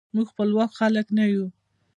موږ خپواک خلک نه یو.